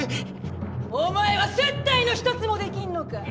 お前は接待の一つもできんのか！